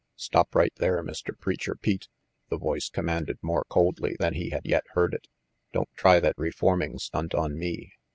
"Stop right there, Mr. Preacher Pete," the voice commanded more coldly than he had yet heard it. "Don't try that reforming stunt on me.